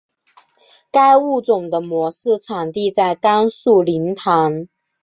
该物种的模式产地在甘肃临潭。